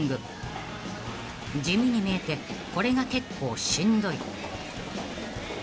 ［地味に見えてこれが結構しんどい］